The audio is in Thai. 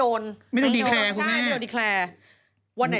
โอ้โหรอด